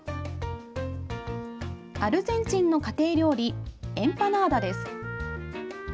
アルゼンチンの家庭料理エンパナーダです。